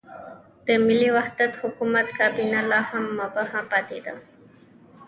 د ملي وحدت حکومت کابینه لا هم مبهمه پاتې ده.